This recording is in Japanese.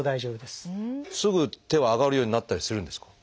すぐ手は上がるようになったりするんですか？